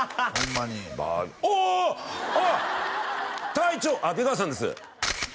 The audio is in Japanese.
隊長あっ出川さんです